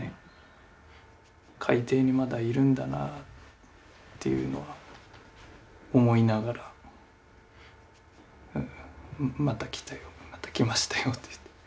海底にまだいるんだなっていうのは思いながらまた来たよまた来ましたよって。